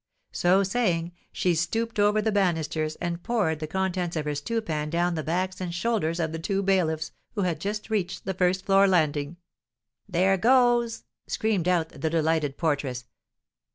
So saying, she stooped over the banisters, and poured the contents of her stewpan down the backs and shoulders of the two bailiffs, who had just reached the first floor landing. "There goes!" screamed out the delighted porteress.